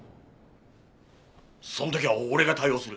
その時は俺が対応する。